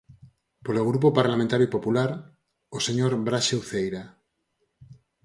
Polo Grupo Parlamentario Popular, o señor Braxe Uceira.